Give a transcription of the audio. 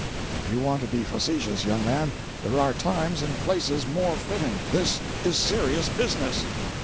If you want to be facetious, young man, there are times and places more fitting. This is a serious business."